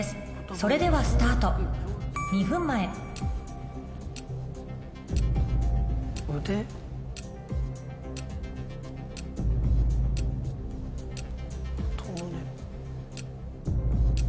それではスタート２分前ハトムネ。